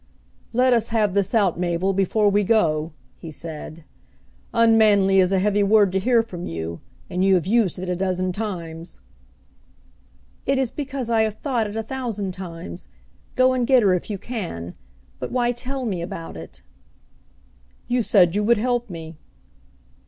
"Let us have this out, Mabel, before we go," he said. "Unmanly is a heavy word to hear from you, and you have used it a dozen times." "It is because I have thought it a thousand times. Go and get her if you can; but why tell me about it?" "You said you would help me."